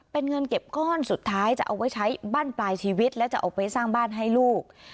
เป็นเงินเก็บก้อนสุดท้ายจะเอาไว้ใช้บ้านปลายชีวิตและจะเอาไปสร้างบ้านให้ลูก